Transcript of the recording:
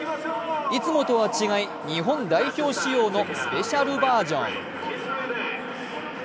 いつもとは違い日本代表仕様のスペシャルバージョン。